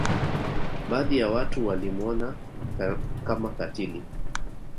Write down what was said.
Baadhi ya watu walimwona Kama katili